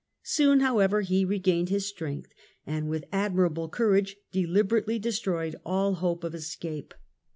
Soon, however, he regained his strength, and with admirable courage deliberately destroyed all hope of escape.